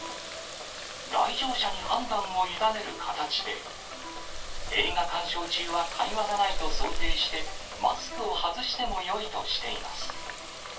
来場者に判断を委ねる形で、映画鑑賞中は会話がないと想定して、マスクを外してもよいとしています。